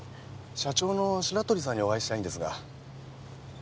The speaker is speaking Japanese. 社長の白鳥さんにお会いしたいんですが。